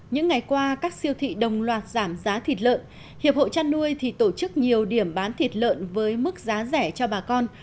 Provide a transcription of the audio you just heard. những ngày qua các siêu thị đồng loạt giảm giá thịt lợn hiệp hội trăn nuôi tổ chức nhiều điểm bán thịt lợn với mức giá rẻ cho bà con